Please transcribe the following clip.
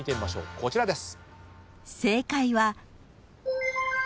こちらです。